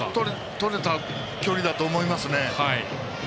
とれた距離だと思いますね。